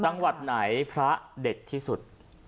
จังหวัดไหนพระเด็ดที่สุด